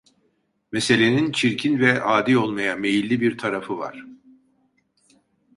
Meselenin çirkin ve adi olmaya meyilli bir tarafı var.